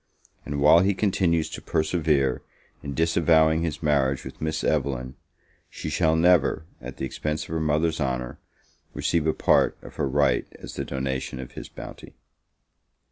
And while he continues to persevere in disavowing his marriage with Miss Evelyn, she shall never, at the expense of her mother's honour, receive a part of her right as the donation of his bounty.